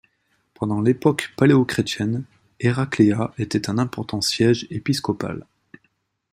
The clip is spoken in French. Pendant l'époque paléochrétienne, Heraclea était un important siège épiscopal.